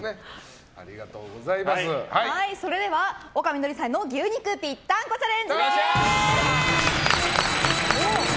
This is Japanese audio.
それでは丘みどりさんの牛肉ぴったんこチャレンジです！